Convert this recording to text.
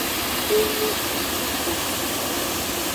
Enucucugotu.